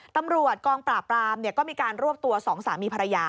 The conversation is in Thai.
ตำรวจกองปราบปรามก็มีการรวบตัวสองสามีภรรยา